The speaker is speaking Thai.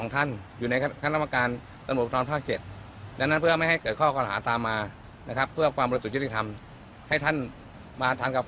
ถูกไหมครับ